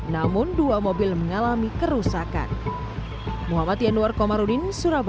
namun dua mobil mengalami kerusakan